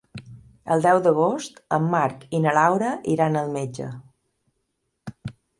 El deu d'agost en Marc i na Laura iran al metge.